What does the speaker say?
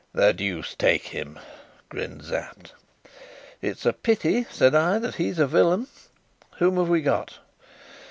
"The deuce take him!" grinned Sapt. "It's a pity," said I, "that he's a villain. Whom have we got?"